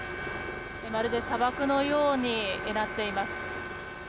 まるで砂漠のようになっています。